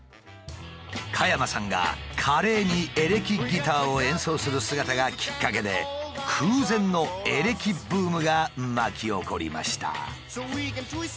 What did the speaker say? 加山さんが華麗にエレキギターを演奏する姿がきっかけで空前のエレキブームが巻き起こりました。